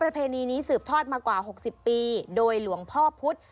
เพณีนี้สืบทอดมากว่า๖๐ปีโดยหลวงพ่อพุทธ